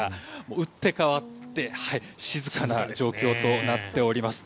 打って変わって静かな状況となっております。